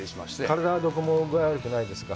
体はどこも具合悪くないですか。